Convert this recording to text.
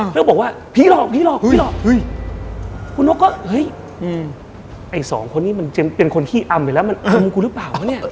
แล้วก็บอกว่าพี่หลอกผีหลอกเฮ้ยหลอกคุณนกก็เฮ้ยไอ้สองคนนี้มันเป็นคนขี้อำไปแล้วมันอมกูหรือเปล่าวะเนี่ย